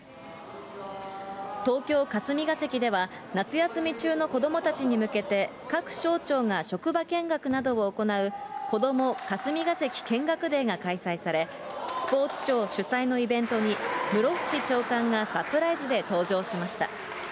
東京・霞が関では、夏休み中の子どもたちに向けて、各省庁が職場見学などを行う、こども霞が関見学デーが開催され、スポーツ庁主催のイベントに、室伏長官がサプライズで登場しました。